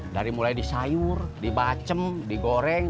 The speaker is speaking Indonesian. dari mulai disayur dibacem digoreng